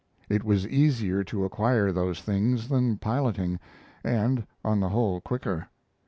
It was easier to acquire those things than piloting, and, on the whole, quicker.